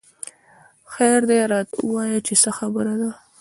خېر دۍ راته وويه چې څه خبره ده